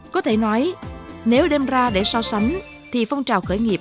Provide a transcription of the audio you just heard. có thể nói nếu đem ra để so sánh thì phong trào khởi nghiệp